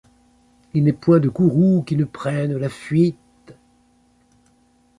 Il n'est point de courroux qui ne prenne la fuite.